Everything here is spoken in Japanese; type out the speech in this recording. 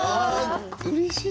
うれしいね！